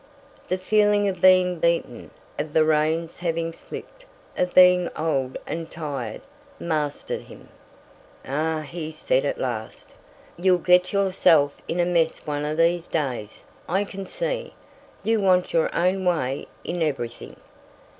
The feeling of being beaten, of the reins having slipped, of being old and tired, mastered him. "Ah!" he said at last, "you'll get yourself into a mess one of these days, I can see. You want your own way in everything."